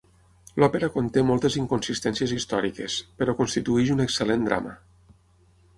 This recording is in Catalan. L'òpera conté moltes inconsistències històriques però constitueix un excel·lent drama.